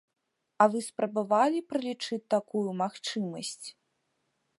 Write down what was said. А вы спрабавалі пралічыць такую магчымасць?